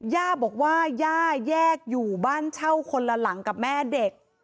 ย่าบอกว่าย่าแยกอยู่บ้านเช่าคนละหลังกับแม่เด็ก